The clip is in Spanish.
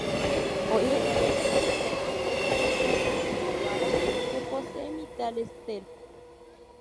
Hoy en día, existe un gran complejo industrial en Hunedoara que posee Mittal Steel.